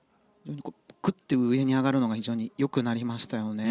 ぐっと上に上がるのが非常に良くなりましたね。